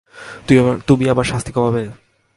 তুমি আমার শাস্তি কমাবে?